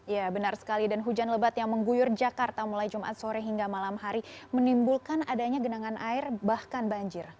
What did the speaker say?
ya benar sekali dan hujan lebat yang mengguyur jakarta mulai jumat sore hingga malam hari menimbulkan adanya genangan air bahkan banjir